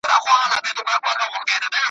ما د زمانې د خُم له رنګه څخه وساته `